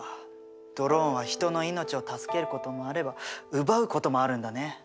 ドローンは人の命を助けることもあれば奪うこともあるんだね。